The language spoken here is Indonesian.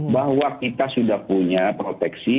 bahwa kita sudah punya proteksi